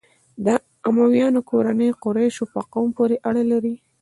د امویانو کورنۍ قریشو په قوم پورې اړه لري.